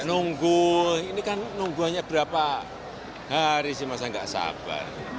nunggu ini kan nungguannya berapa hari sih masa nggak sabar